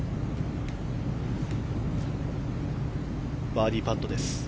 バーディーパットです。